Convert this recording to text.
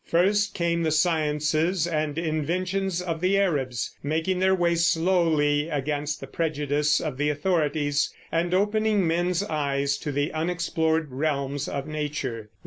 First came the sciences and inventions of the Arabs, making their way slowly against the prejudice of the authorities, and opening men's eyes to the unexplored realms of nature.